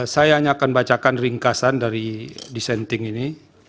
saya hanya akan bacakan ringkasan dari dissenting ini